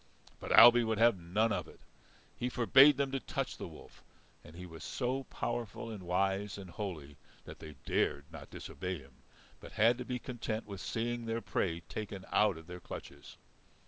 But Ailbe would have none of it. He forbade them to touch the wolf. And he was so powerful and wise and holy that they dared not disobey him, but had to be content with seeing their prey taken out of their clutches.